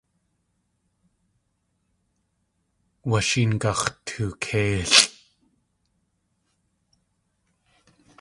Washéen gax̲tookéilʼ.